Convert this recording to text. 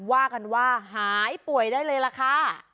ว่ากันว่าหายป่วยได้เลยล่ะค่ะ